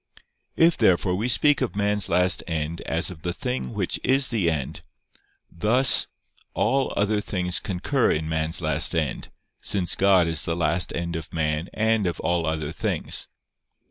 If, therefore, we speak of man's last end as of the thing which is the end, thus all other things concur in man's last end, since God is the last end of man and of all other things.